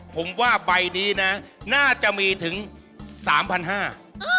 ผมว่าใบนี้นะน่าจะมีถึง๓๕๐๐บาท